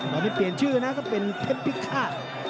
ถ้าไม่เปลี่ยนชื่อนะก็เป็นเทปพิฆาต